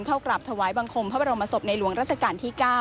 เข้ากราบถวายบังคมพระบรมศพในหลวงราชการที่๙